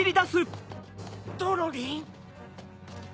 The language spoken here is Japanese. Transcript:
ドロリン？